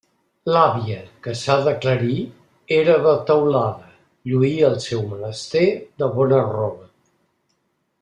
L'àvia, que, s'ha d'aclarir, era de Teulada, lluïa el seu menester de bona roba.